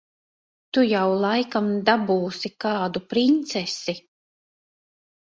Tu jau laikam dabūsi kādu princesi.